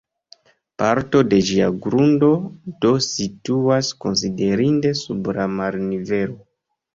Parto de ĝia grundo do situas konsiderinde sub la marnivelo.